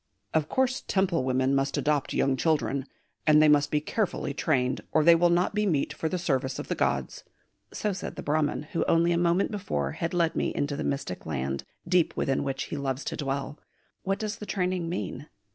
"Of course, Temple women must adopt young children; and they must be carefully trained, or they will not be meet for the service of the gods." So said the Brahman who only a moment before had led me into the mystic land, deep within which he loves to dwell: what does the training mean?